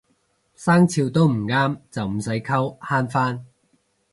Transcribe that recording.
生肖都唔啱就唔使溝慳返